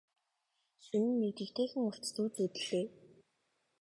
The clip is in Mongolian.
Шөнө нь нэг жигтэйхэн урт зүүд зүүдэллээ.